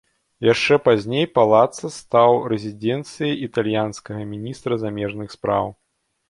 Яшчэ пазней палацца стаў рэзідэнцыяй італьянскага міністра замежных спраў.